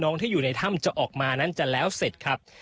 ที่อยู่ในถ้ำจะออกมานั้นจะแล้วเสร็จครับ